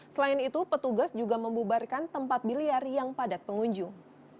selain itu petugas juga membubarkan tempat biliar yang padat pengunjung